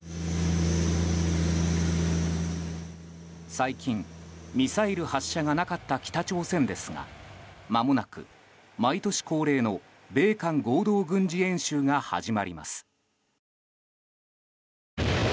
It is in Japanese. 最近、ミサイル発射がなかった北朝鮮ですがまもなく毎年恒例の米韓合同軍事演習が始まります。